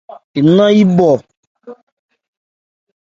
Ɛɛ́ nɛn yípɔ.